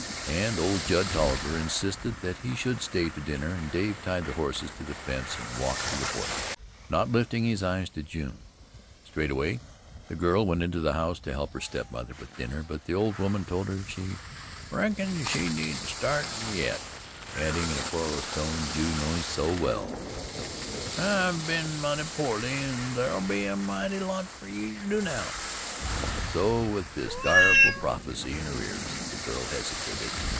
But old Judd Tolliver insisted that he should stay to dinner, and Dave tied the horses to the fence and walked to the porch, not lifting his eyes to June. Straightway the girl went into the house co help her step mother with dinner, but the old woman told her she "reckoned she needn't start in yit" adding in the querulous tone June knew so well: "I've been mighty po'ly, an' thar'll be a mighty lot fer you to do now." So with this direful prophecy in her ears the girl hesitated.